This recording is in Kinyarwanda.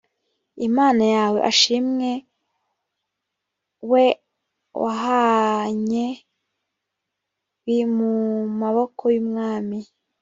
imana yawe ashimwe a we wahanye b mu maboko y umwami